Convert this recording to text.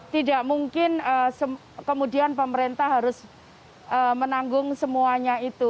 tidak mungkin kemudian pemerintah harus menanggung semuanya itu